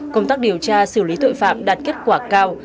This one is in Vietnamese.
công tác điều tra xử lý tội phạm đạt kết quả cao